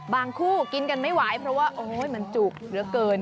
คู่กินกันไม่ไหวเพราะว่าโอ๊ยมันจุกเหลือเกิน